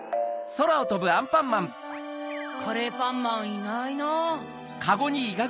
カレーパンマンいないなぁ。